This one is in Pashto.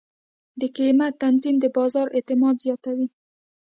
د قیمت تنظیم د بازار اعتماد زیاتوي.